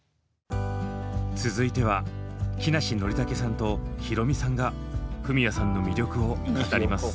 続いては木梨憲武さんとヒロミさんがフミヤさんの魅力を語ります。